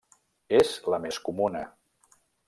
És la més comuna.